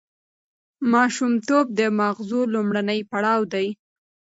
ماشومتوب د ماغزو لومړنی پړاو دی.